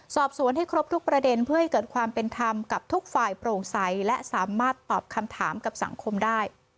สอบสวนให้ครบทุกประเด็นเพื่อให้เกิดความเป็นธรรมกับทุกฝ่ายโปร่งใสและสามารถตอบคำถามกับสังคมได้